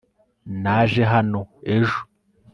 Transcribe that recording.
naje hano ejo